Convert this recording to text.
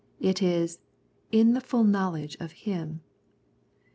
It is " in the full knowledge of Him."